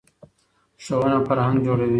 ښوونه فرهنګ جوړوي.